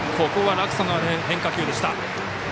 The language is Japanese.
ここは落差のある変化球でした。